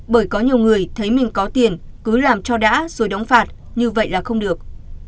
bởi có nhiều người thấy mình có tiền cứ làm cho đã rồi đóng phạt như vậy là không được